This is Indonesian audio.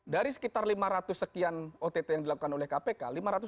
dari sekitar lima ratus sekian ott yang dilakukan oleh kpk